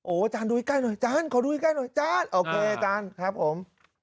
อาจารย์ดูใกล้หน่อยอาจารย์ขอดูใกล้หน่อยอาจารย์โอเคอาจารย์ครับผม